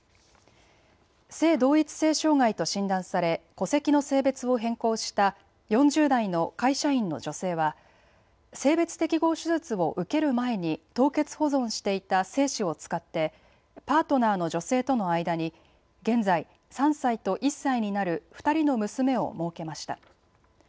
性同一性障害と診断され戸籍の性別を変更した４０代の会社員の女性は性別適合手術を受ける前に凍結保存していた精子を使ってパートナーの女性との間に現在、３歳と１歳になる２人の娘をもうけました。